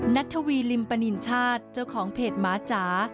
ทวีริมปนินชาติเจ้าของเพจหมาจ๋า